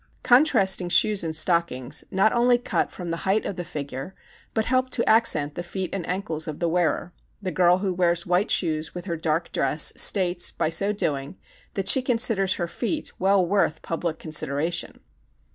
Contrasting shoes and stockings not only cut from the height of the figure but help to accent the feet and ankles of the wearer. The girl who wears white shoes with her dark dress states, by so doing, that she considers her feet well worth public consideration.